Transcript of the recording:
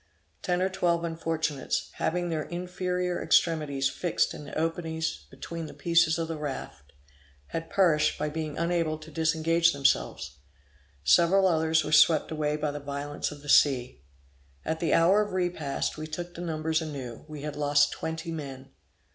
Ten or twelve unfortunates, having their inferior extremities fixed in the openings between the pieces of the raft, had perished by being unable to disengage themselves; several others were swept away by the violence of the sea. At the hour of repast, we took the numbers anew; we had lost twenty men.